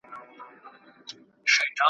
کرۍ ورځ توري ګولۍ وې چلېدلې ,